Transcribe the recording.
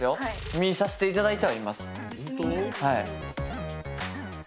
見させていただいてはいます